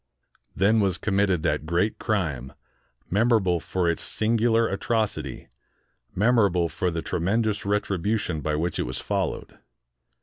Then was committed that great crime, memorable for its singular atrocity, memorable for the tremendous retribution by which it was followed.